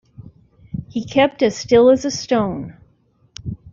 He kept as still as a stone.